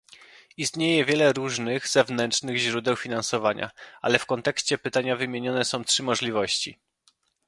Istnieje wiele różnych zewnętrznych źródeł finansowania, ale w kontekście pytania wymienione są trzy możliwości: